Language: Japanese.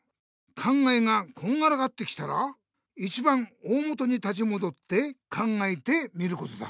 考えがこんがらがってきたらいちばん大もとに立ちもどって考えてみることだ。